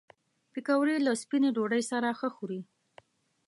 پکورې له سپینې ډوډۍ سره ښه خوري